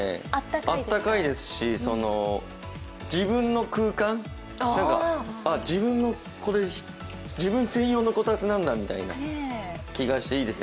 あったかいですし、自分の空間、自分専用のこたつなんだって気がしていいですね。